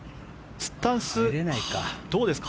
スタンスどうですか？